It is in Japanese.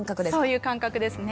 そういう感覚ですね。